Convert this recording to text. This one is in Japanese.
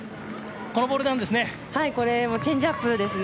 このボールなんですね。